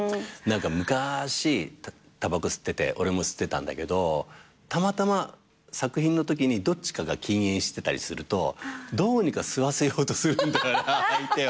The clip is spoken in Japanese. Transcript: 何か昔たばこ吸ってて俺も吸ってたんだけどたまたま作品のときにどっちかが禁煙してたりするとどうにか吸わせようとするんだ相手を。